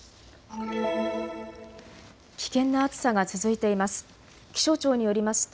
危険な暑さが続いています。